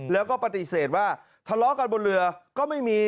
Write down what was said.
แล้วก็ปฏิเสธว่าทะเลาะกันบนเรือก็ไม่มี